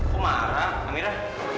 kok marah amira